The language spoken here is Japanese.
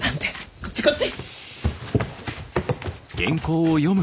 こっちこっち！